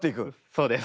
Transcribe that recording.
そうです。